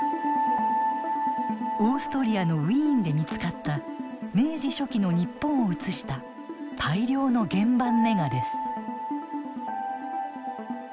オーストリアのウィーンで見つかった明治初期の日本を写した大量の原板ネガです。